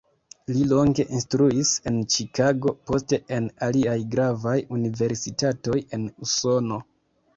Li longe instruis en Ĉikago, poste en aliaj gravaj universitatoj en Usono.